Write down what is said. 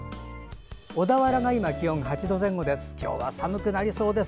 小田原が今、気温が８度前後です。